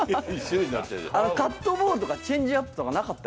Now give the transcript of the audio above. カットボールとかチェンジアップとかなかった？